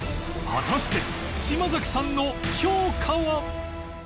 果たして島崎さんの評価は！？